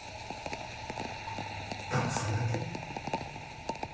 ただそれだけ。